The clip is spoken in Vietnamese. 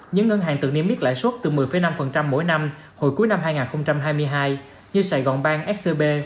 những ngân hàng tự niêm yết lãi suất từ một mươi năm mỗi năm hồi cuối năm hai nghìn hai mươi hai như sài gòn bang scb